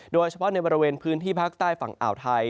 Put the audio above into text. โดยเฉพาะในบริเวณพื้นที่ภาคใต้ฝั่งอ่าวไทย